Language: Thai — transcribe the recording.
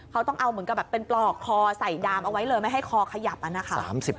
เขาต้องเอาเหมือนกับแบบเป็นปลอกคอใส่ดามเอาไว้เลยไม่ให้คอขยับนะคะ